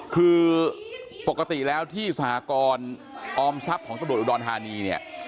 คือปกติแล้วที่สหกรออมทรัพย์ของตำรวจอุดรธานีเนี่ย